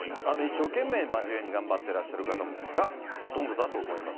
一生懸命真面目に頑張ってらっしゃる方がほとんどだと思います。